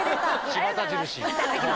柴田印。